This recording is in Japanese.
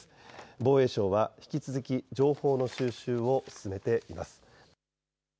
防衛省は引き続き情報の収集を進めています。